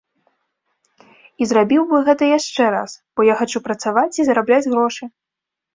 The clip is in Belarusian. І зрабіў бы гэта яшчэ раз, бо я хачу працаваць і зарабляць грошы.